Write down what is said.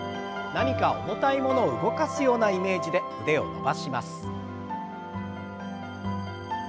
何か重たいものを動かすようなイメージで腕を伸ばします。